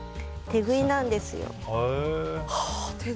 手食いなんですよ。